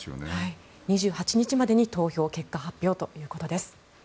２８日までに投票、結果発表ということです。